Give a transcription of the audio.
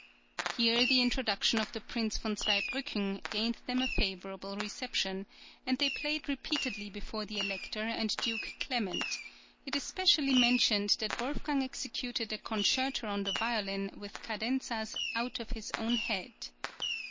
Here the introduction of the Prince von Zweibrücken gained them a favourable reception, and they played repeatedly before the Elector and Duke Clement; it is specially mentioned that Wolfgang executed a concerto on the violin with cadenzas "out of his own head."